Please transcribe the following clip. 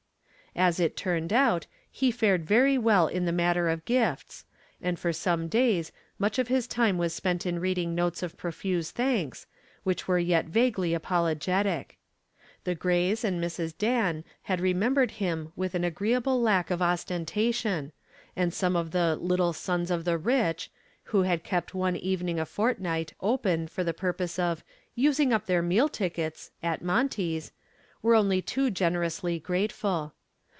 As it turned out, he fared very well in the matter of gifts, and for some days much of his time was spent in reading notes of profuse thanks, which were yet vaguely apologetic. The Grays and Mrs. Dan had remembered him with an agreeable lack of ostentation, and some of the "Little Sons of the Rich," who had kept one evening a fortnight open for the purpose of "using up their meal tickets" at Monty's, were only too generously grateful.